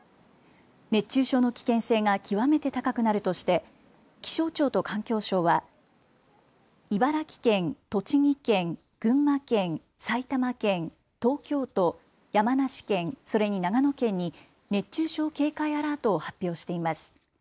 熱中症の危険性が極めて高くなるとして気象庁と環境省は茨城県、栃木県、群馬県、埼玉県、東京都、山梨県、それに長野県に熱中症警戒アラートを発表しています。